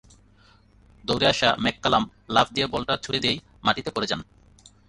দৌড়ে আসা ম্যাককালাম লাফ দিয়ে বলটা ছুড়ে দিয়েই মাটিতে পড়ে যান।